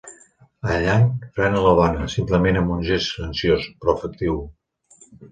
Allan frena la dona, simplement amb un gest silenciós, però efectiu.